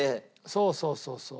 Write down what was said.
そうそうそうそう。